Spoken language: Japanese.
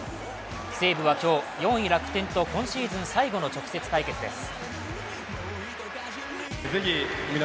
西武は今日、４位・楽天と今シーズン最後の直接対決です。